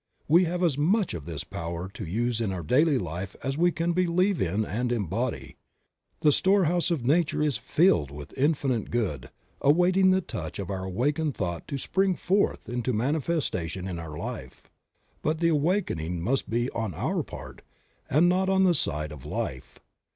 We have as much of this Power to use in our daily life as we can believe in and embody. The store house of nature is filled with infinite good awaiting the touch of our awakened thought to spring forth 18 Creative Mind. into manifestation in our life ; but the awakening must be on our part and not on the side of life.